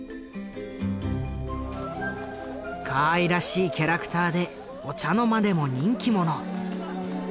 かわいらしいキャラクターでお茶の間でも人気者。